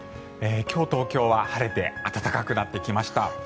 今日、東京は晴れて暖かくなってきました。